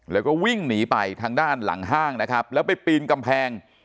แล้วก็วิ่งหนีไปทางด้านหลังห้างนะครับแล้วไปปีนกำแพง